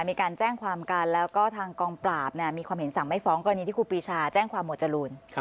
มีการแจ้งความกันแล้วก็ทางกองปราบมีความเห็นสั่งไม่ฟ้องกรณีที่ครูปีชาแจ้งความหมวดจรูน